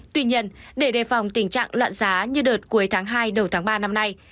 tuy nhiên để đề phòng tình trạng loạn giá như đợt cuối tháng hai đầu tháng ba năm nay